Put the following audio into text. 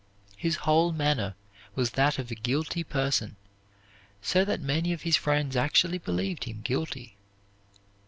His whole manner was that of a guilty person, so that many of his friends actually believed him guilty.